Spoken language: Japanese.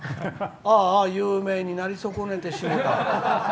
あーあ、有名になり損ねてしもた。